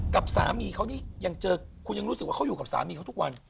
กับสามีเขานี่ยังเจอคุณยังรู้สึกว่าเขาอยู่กับสามีเขาทุกวัน